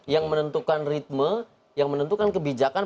yang menentukan ritme yang menentukan kebijakan